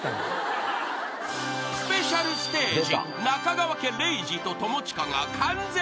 ［スペシャルステージ］